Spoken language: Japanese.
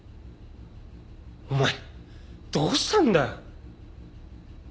お前どうしたんだよ？